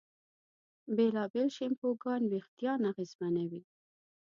بېلابېل شیمپوګان وېښتيان اغېزمنوي.